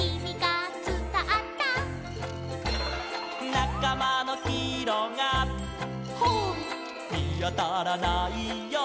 「なかまのきいろがはぁみあたらないよ」